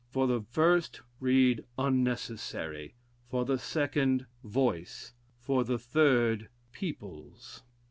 For the first read unnecessary; for the second, voice; for the third, peoples.